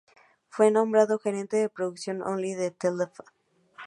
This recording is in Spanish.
Fue nombrado gerente de Producción Online de Telefe.